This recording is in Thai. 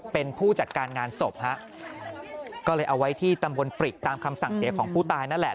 เป็นผู้จัดการงานศพฮะก็เลยเอาไว้ที่ตำบลปริกตามคำสั่งเสียของผู้ตายนั่นแหละ